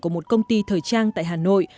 của một công ty thời trang tại hà nội